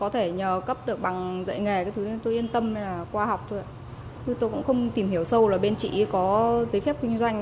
tôi cũng không tìm hiểu sâu là bên chị có giấy phép kinh doanh